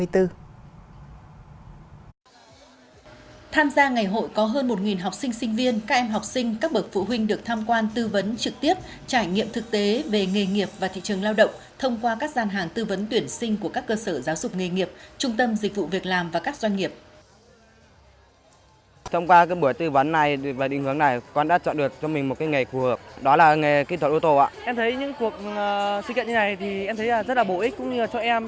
tham gia ngày hội có hơn một học sinh sinh viên các em học sinh các bậc phụ huynh được tham quan tư vấn trực tiếp trải nghiệm thực tế về nghề nghiệp và thị trường lao động thông qua các gian hàng tư vấn tuyển sinh của các cơ sở giáo dục nghề nghiệp trung tâm dịch vụ việc làm và các doanh nghiệp